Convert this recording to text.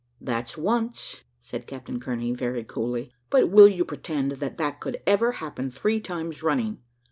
"That's once," said Captain Kearney, very coolly; "but will you pretend that that could ever happen three times running?